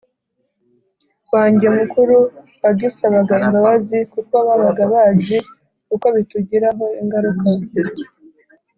wanjye mukuru badusabaga imbabazi kuko babaga bazi uko bitugiraho ingaruka